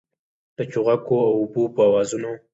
د چوغکو او اوبو په آوازونو